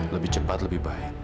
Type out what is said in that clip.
lebih cepat lebih baik